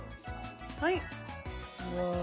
はい。